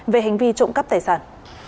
về hành vi trộm cắp tài sản